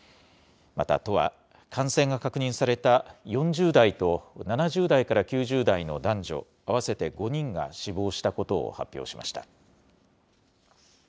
また都は、感染が確認された４０代と、７０代から９０代の男女合わせて５人が死亡したことを発表しました。